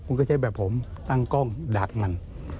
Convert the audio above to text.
คุณก็ใช้แบบผมตั้งกล้องดักมัน